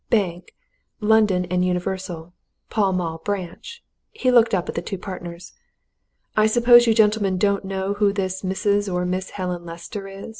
"Bank London & Universal: Pall Mall Branch." He looked up at the two partners. "I suppose you gentlemen don't know who this Mrs. or Miss Helen Lester is?"